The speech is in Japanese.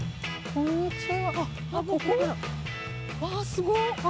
こんにちは！